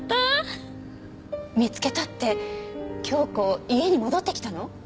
見つけたって京子家に戻ってきたの？